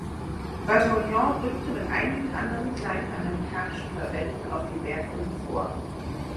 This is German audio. Bataillon rückte mit einigen anderen kleinen amerikanischen Verbänden auf den Bergrücken vor.